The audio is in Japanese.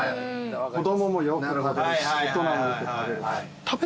子供もよく食べるし大人もよく食べる。